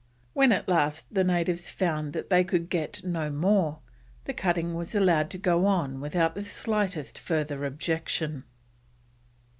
When at last the natives found that they could get no more, the cutting was allowed to go on without the slightest further objection.